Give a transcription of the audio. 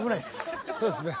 そうですね。